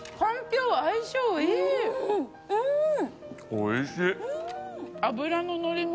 おいしい！